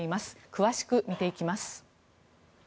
詳しく見ていきます。